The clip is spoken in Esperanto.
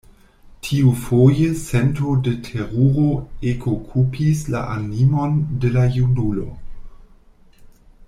Tiufoje sento de teruro ekokupis la animon de la junulo.